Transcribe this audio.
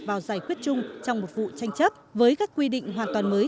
vào giải quyết chung trong một vụ tranh chấp với các quy định hoàn toàn mới